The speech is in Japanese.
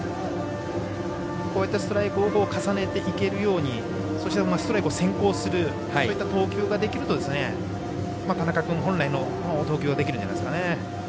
こうやってストライクを重ねていけるようにそして、ストライクを先行するそういった投球ができると田中君本来の投球ができるんじゃないですかね。